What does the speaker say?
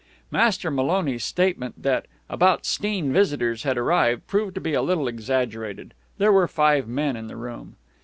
Master Maloney's statement that "about 'steen" visitors had arrived proved to be a little exaggerated. There were five men in the room.